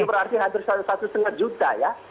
itu berarti hampir satu setengah juta ya